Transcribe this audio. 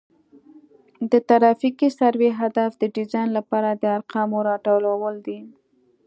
د ترافیکي سروې هدف د ډیزاین لپاره د ارقامو راټولول دي